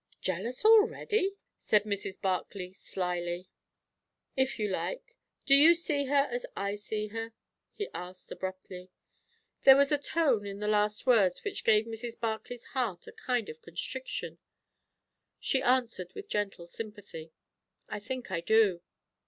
"Jealous already?" said Mrs. Barclay slyly. "If you like. Do you see her as I see her?" he asked abruptly. There was a tone in the last words which gave Mrs. Barclay's heart a kind of constriction. She answered with gentle sympathy, "I think I do."